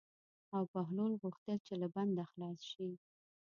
او بهلول غوښتل چې له بنده خلاص شي.